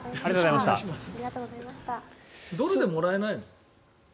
ドルでもらえないの？